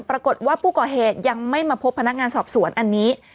ปรากฏว่าผู้ก่อเหตุยังไม่มาพบพนักงานสอบสวนอันนี้